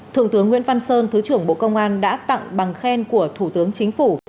thượng tướng nguyễn văn sơn thứ trưởng bộ công an đã tặng bằng khen của thủ tướng chính phủ